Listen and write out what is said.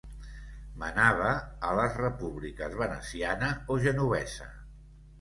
Manava a les repúbliques veneciana o genovesa.